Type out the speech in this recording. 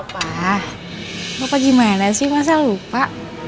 wah bapak gimana sih masa lupa